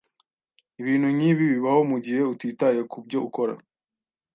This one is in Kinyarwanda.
Ibintu nkibi bibaho mugihe utitaye kubyo ukora.